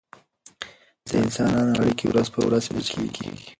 د انسانانو اړیکې ورځ په ورځ پیچلې کیږي.